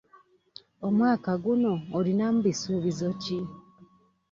Omwaka guno olinamu bisuubizo ki?